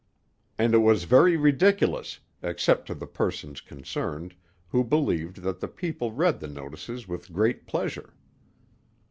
and it was very ridiculous, except to the persons concerned, who believed that the people read the notices with great pleasure.